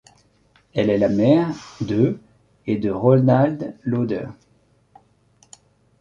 Elle est la mère de et de Ronald Lauder.